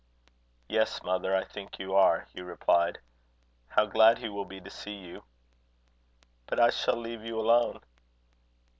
"Yes, mother, I think you are," Hugh replied. "How glad he will be to see you!" "But I shall leave you alone."